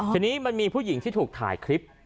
ทีนี้มันมีผู้หญิงที่ถูกถ่ายคลิป